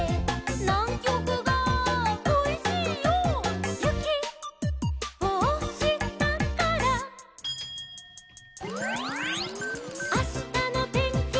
「『ナンキョクがこいしいよ』」「ゆきをおしたから」「あしたのてんきは」